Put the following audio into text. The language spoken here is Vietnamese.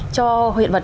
cho hiện vật